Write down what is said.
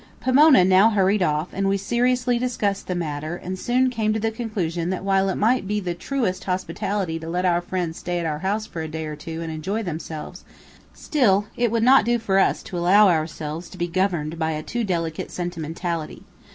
Pomona now hurried off, and we seriously discussed the matter, and soon came to the conclusion that while it might be the truest hospitality to let our friends stay at our house for a day or two and enjoy themselves, still it would not do for us to allow ourselves to be governed by a too delicate sentimentality.